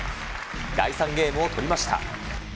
第３ゲームを取りました。